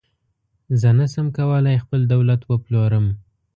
زه نشم کولای خپل دولت وپلورم.